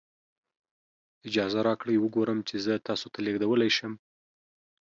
اجازه راکړئ وګورم چې زه تاسو ته لیږدولی شم.